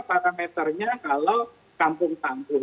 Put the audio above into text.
parameternya kalau kampung panggung